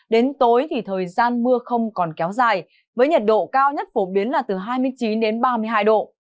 đến tối thì thời gian mưa không còn kéo dài với nhiệt độ cao nhất phổ biến là từ hai mươi chín đến ba mươi hai độ